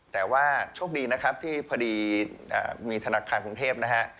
แต่ว่าโชคดีนะครับที่พอดีมีธนาคารกรุงเทพนะฮะ